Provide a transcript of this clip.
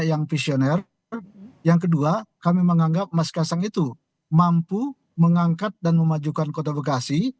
yang visioner yang kedua kami menganggap mas kasang itu mampu mengangkat dan memajukan kota bekasi